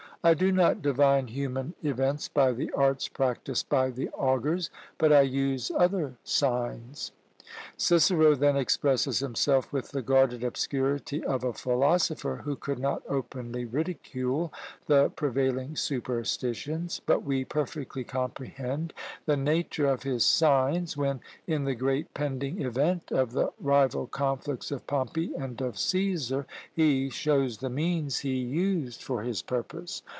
"I do not divine human events by the arts practised by the augurs, but I use other signs." Cicero then expresses himself with the guarded obscurity of a philosopher who could not openly ridicule the prevailing superstitions; but we perfectly comprehend the nature of his "signs" when, in the great pending event of the rival conflicts of Pompey and of Cæsar, he shows the means he used for his purpose.